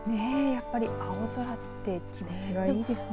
青空って気持ちがいいですね。